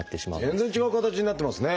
全然違う形になってますね。